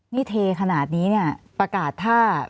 นี่เทขนาดนี้เนี่ยประกาศถ้า